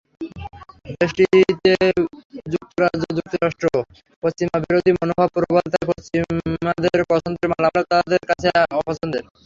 দেশটিতে যুক্তরাষ্ট্র-যুক্তরাজ্যসহ পশ্চিমাবিরোধী মনোভাব প্রবল, তাই পশ্চিমাদের পছন্দের মালালাও তাদের কাছে অপছন্দের।